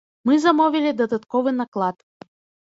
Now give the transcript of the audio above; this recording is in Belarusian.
Мы замовілі дадатковы наклад.